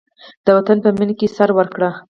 د وطن په مینه کې سر ورکړئ.